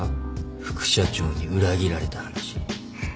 副社長に裏切られた話。